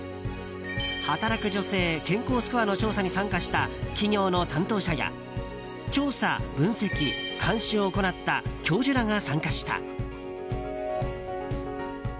「働く女性健康スコア」の調査に参加した企業の担当者や調査・分析・監修を行った教授らが参加した。